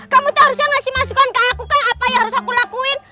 kamu tuh harusnya ngasih masukan ke aku kah apa yang harus aku lakuin